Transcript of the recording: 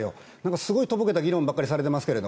すごいとぼけた議論ばっかりやられてますけど。